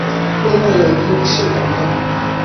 另外有医务室等等。